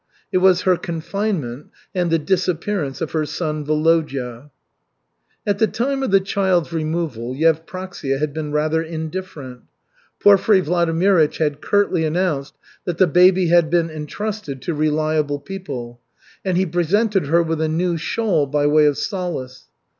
It was her confinement and the disappearance of her son Volodya. At the time of the child's removal Yevpraksia had been rather indifferent. Porfiry Vladimirych had curtly announced that the baby had been entrusted to reliable people, and he presented her with a new shawl by way of solace.